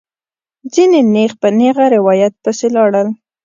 ځینې نېغ په نېغه روایت پسې لاړل.